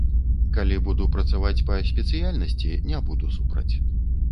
Калі буду працаваць па спецыяльнасці, не буду супраць.